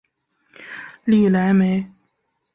利莱梅。